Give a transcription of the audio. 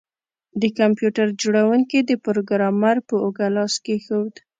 د کمپیوټر جوړونکي د پروګرامر په اوږه لاس کیښود